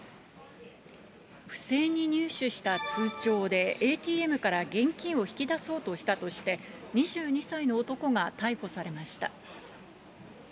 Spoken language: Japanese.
不正に入手した通帳でＡＴＭから現金を引き出そうとしたとして、２２歳の男が逮捕されました。